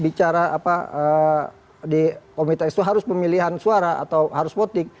bicara apa di komite ekspo harus pemilihan suara atau harus voting